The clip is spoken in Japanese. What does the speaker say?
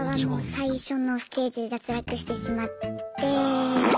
最初のステージで脱落してしまって。